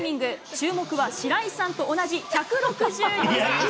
注目は、白石さんと同じ１６２センチ。